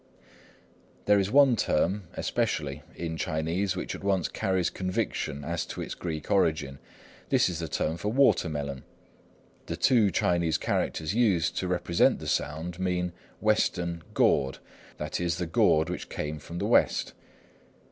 There is one term, especially, in Chinese which at once carries conviction as to its Greek origin. This is the term for watermelon. The two Chinese characters chosen to represent the sound mean "Western gourd," i.e. the gourd which came from the West.